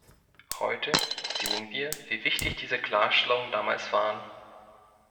Heute sehen wir, wie wichtig diese Klarstellungen damals waren.